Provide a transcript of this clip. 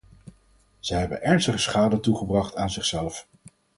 Zij hebben ernstige schade toegebracht aan zichzelf.